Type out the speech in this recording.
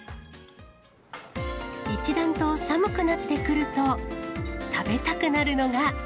一段と寒くなってくると食べたくなるのが。